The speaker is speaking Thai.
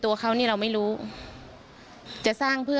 จะไปสร้างทำไมสร้างสถานการณ์ทำไม